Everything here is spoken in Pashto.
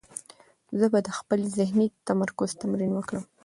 زه به د خپل ذهني تمرکز تمرین وکړم.